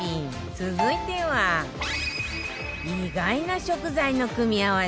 続いては意外な食材の組み合わせ